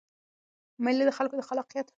مېلې د خلکو د خلاقیت څرګندولو ځایونه دي.